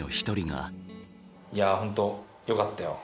いや本当よかったよ。